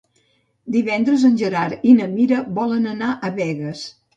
Divendres en Gerard i na Mira volen anar a Begues.